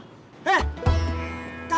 kalau udah nengi neke nya